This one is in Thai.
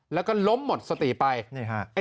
แล้วก็ล้มหมดสติไป